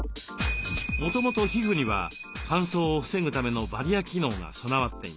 もともと皮膚には乾燥を防ぐためのバリア機能が備わっています。